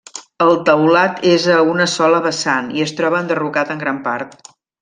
El teulat és a una sola vessant i es troba enderrocat en gran part.